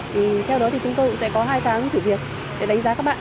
thì theo đó thì chúng tôi cũng sẽ có hai tháng thử việc để đánh giá các bạn